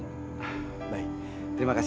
ama painfulkan tes